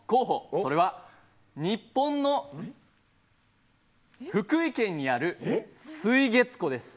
それは日本の福井県にある「水月湖」です。